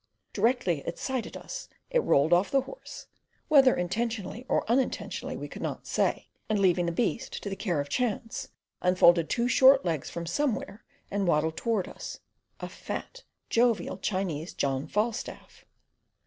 Directly it sighted us it rolled off the horse, whether intentionally or unintentionally we could not say, and leaving the beast to the care of chance, unfolded two short legs from somewhere and waddled towards us—a fat, jovial Chinese John Falstaff.